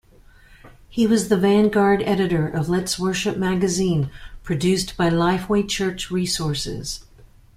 He was the vanguard editor of "Let's Worship" magazine produced by Lifeway Church Resources.